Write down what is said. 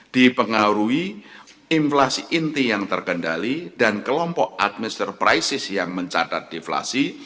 dipengaruhi inflasi inti yang terkendali dan kelompok adminster prisis yang mencatat deflasi